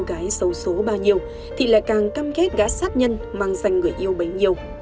cô gái xấu xố bao nhiêu thì là càng cam kết gã sát nhân mang dành người yêu bấy nhiêu